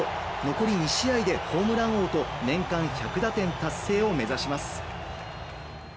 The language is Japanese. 残り２試合でホームラン王と年間１００打点達成を目指します。